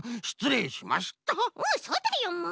うんそうだよもう！